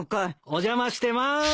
お邪魔してます。